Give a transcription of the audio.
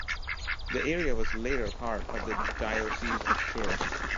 The area was later part of the diocese of Chur.